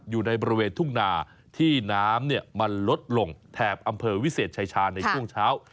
อยู่ในบริเวณทุ่งนาที่น้ำมันลดลงแถบอำเภอวิเศษชายชาญในช่วงเช้า